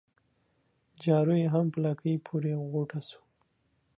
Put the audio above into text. جارو يې هم په لکۍ پوري غوټه سو